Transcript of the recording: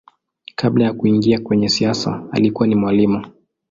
Kabla ya kuingia kwenye siasa alikuwa ni mwalimu.